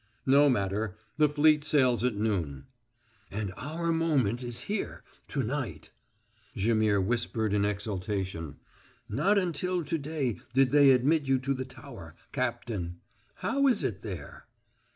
"No matter. The fleet sails at noon." "And our moment is here to night," Jaimihr whispered in exultation. "Not until to day did they admit you to the tower, Cap tain. How is it there?"